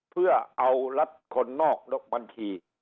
เพื่อเอารัฐคนนอกบัญชี